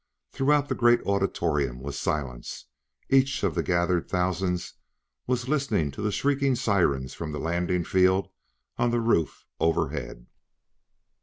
Throughout the great auditorium was silence; each of the gathered thousands was listening to the shrieking sirens from the landing field on the roof overhead.